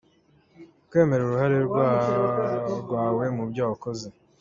Kwemera uruhare rwawe mu byo wakoze.